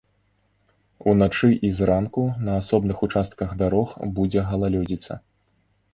Уначы і зранку на асобных участках дарог будзе галалёдзіца.